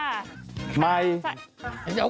สวัสดีครับ